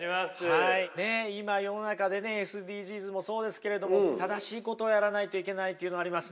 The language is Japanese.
今世の中でねＳＤＧｓもそうですけれども正しいことをやらないといけないというのありますね。